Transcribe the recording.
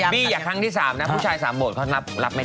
บี้อย่าครั้งที่๓นะผู้ชาย๓โบสเขารับไม่ได้